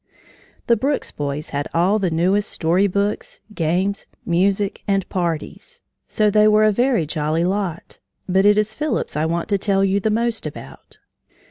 The Brooks boys had all the newest story books, games, music, and parties, so they were a very jolly lot, but it is Phillips I want to tell you the most about.